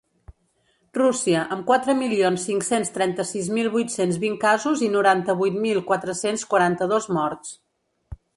Rússia, amb quatre milions cinc-cents trenta-sis mil vuit-cents vint casos i noranta-vuit mil quatre-cents quaranta-dos morts.